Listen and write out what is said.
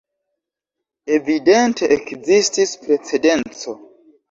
Evidente ekzistis precedenco.